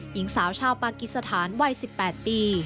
หญิงสาวชาวปากิสถานวัย๑๘ปี